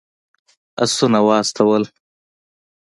آسونه واستول.